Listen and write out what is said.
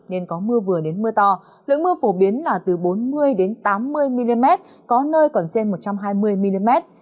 nên có mưa vừa đến mưa to lượng mưa phổ biến là từ bốn mươi tám mươi mm có nơi còn trên một trăm hai mươi mm